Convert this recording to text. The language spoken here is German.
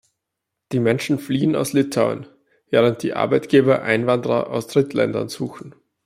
Die Menschen fliehen aus Litauen, während die Arbeitgeber Einwanderer aus Drittländern suchen.